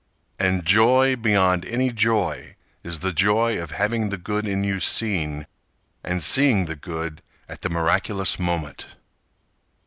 And joy beyond any joy is the joy Of having the good in you seen, and seeing the good At the miraculous moment!